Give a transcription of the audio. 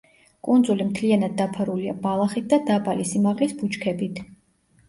კუნძული მთლიანად დაფარულია ბალახით და დაბალი სიმაღლის ბუჩქებით.